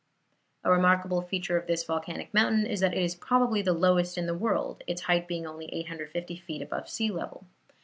A remarkable feature of this volcanic mountain is that it is probably the lowest in the world, its height being only 850 feet above sea level.